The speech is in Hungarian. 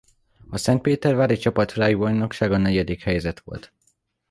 A szentpétervári csapat-világbajnokságon negyedik helyezett volt.